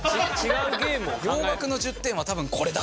洋楽の１０点は多分これだ！